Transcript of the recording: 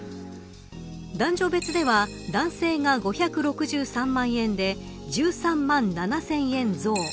男女別では男性が５６３万円で１３万７０００円増。